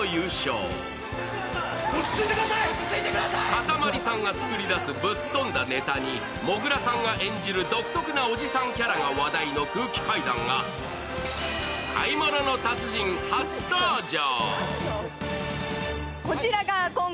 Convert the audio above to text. かたまりさんが作り出すぶっ飛んだネタにもぐらさんが演じる独特なおじさんキャラが話題の空気階段が「買い物の達人」初登場。